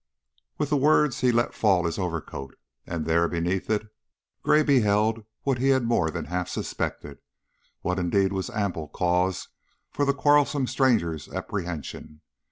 With the words he let fall his overcoat, and there, beneath it, Gray beheld what he had more than half suspected, what indeed was ample cause for the quarrelsome stranger's apprehension.